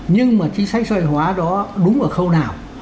nhưng mà chính sách sòi hóa đó đúng ở khâu nào